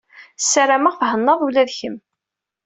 Sarameɣ thennaḍ ula d kemm.